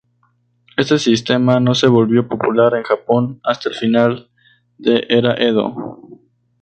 Este sistema no se volvió popular en Japón hasta el final de era Edo.